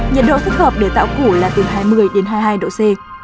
nhiệt độ thích hợp để tạo củ là từ hai mươi đến hai mươi hai độ c